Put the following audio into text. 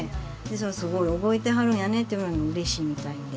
「すごい覚えてはるんやね」って言われるのもうれしいみたいで。